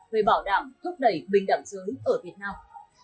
về bảo đảm thúc đẩy bình đẳng giới ở việt nam